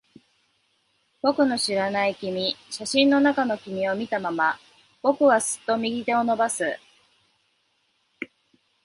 僕の知らない君。写真の中の君を見たまま、僕はすっと右手を伸ばす。